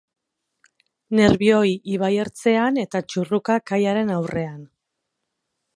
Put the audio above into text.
Nerbioi ibai ertzean eta Txurruka kaiaren aurrean.